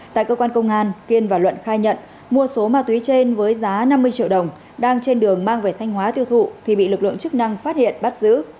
tại cơ quan công an kiên và luận khai nhận mua số ma túy trên với giá năm mươi triệu đồng đang trên đường mang về thanh hóa tiêu thụ thì bị lực lượng chức năng phát hiện bắt giữ